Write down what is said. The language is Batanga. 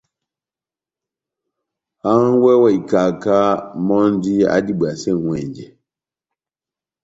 Hángwɛ wa ikaká mɔ́ndi adibwasɛ ŋʼwɛnjɛ.